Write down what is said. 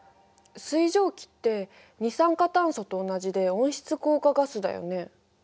水蒸気って二酸化炭素と同じで温室効果ガスだよね。